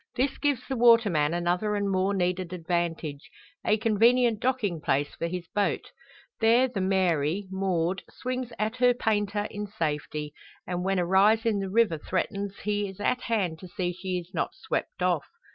This gives the waterman another and more needed advantage a convenient docking place for his boat. There the Mary, moored, swings to her painter in safety; and when a rise in the river threatens he is at hand to see she be not swept off.